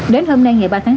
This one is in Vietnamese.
đến hôm nay ngày ba tháng tám